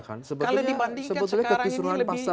kalau dibandingkan sekarang ini lebih